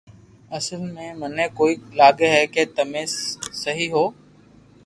اسل مي مني ڪوئي لاگي ڪي تمي سھو ھون